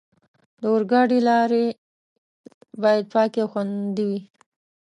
د اورګاډي لارې باید پاکې او خوندي وي.